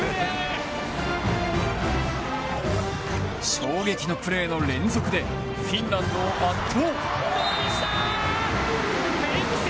衝撃のプレーの連続でフィンランドを圧倒。